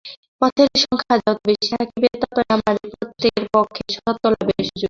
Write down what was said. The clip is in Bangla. পথের সংখ্যা যত বেশী থাকিবে, ততই আমাদের প্রত্যেকের পক্ষে সত্যলাভের সুযোগ ঘটিবে।